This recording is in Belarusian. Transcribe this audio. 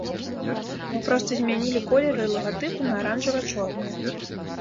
Мы проста змянілі колеры лагатыпу на аранжава-чорныя.